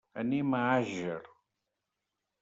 Anem a Àger.